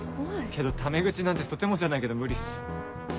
けどタメ口なんてとてもじゃないけど無理っす。